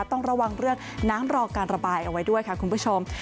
ต้องระวังเรื่องน้ำรอการระบายเอาไว้ด้วยค่ะคุณผู้ชม